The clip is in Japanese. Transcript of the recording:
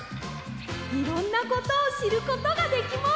いろんなことをしることができました。